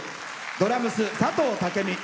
ドラムス、佐藤武美。